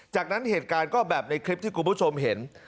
จากนั้นเหตุการณ์ก็แบบในคลิปที่คุณผู้ชมเห็น